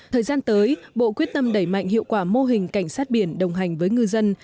thời gian tới bộ quyết tâm đẩy mạnh hiệu quả mô hình cảnh sát biển đồng hành với ngư dân